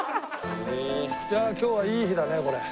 いやあ今日はいい日だねこれ。